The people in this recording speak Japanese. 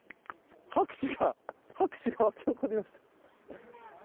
拍手が沸き起こりました。